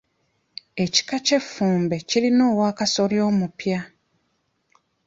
Ekika ky’effumbe kirina Owaakasolya omupya.